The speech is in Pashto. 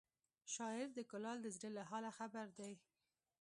شاعر د کلال د زړه له حاله خبر دی